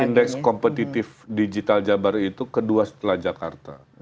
kan indeks kompetitif digital jabari itu kedua setelah jakarta